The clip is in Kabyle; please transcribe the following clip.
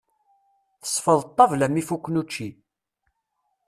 Tesfeḍ ṭabla mi fukken učči.